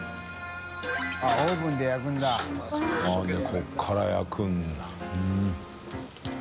ここから焼くんだ。